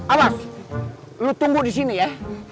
awas lo tunggu di sini ya